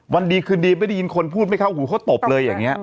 วันดีคืนดีไม่ได้ยินคนพูดไม่เข้าหูเขาตบเลยอย่างนี้